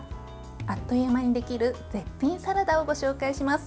あっという間にできる絶品サラダをご紹介します。